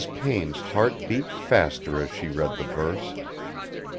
Payne's heart beat faster as she read the verse.